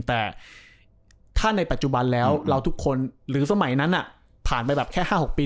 แต่ถ้าในปัจจุบันแล้วเราทุกคนหรือสมัยนั้นผ่านไปแบบแค่๕๖ปี